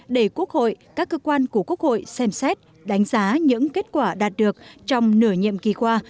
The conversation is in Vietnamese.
để quốc hội các cơ quan của quốc hội xem xét đánh giá những kết quả đạt được trong nửa nhiệm kỳ qua